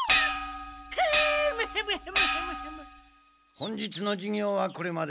本日の授業はこれまで。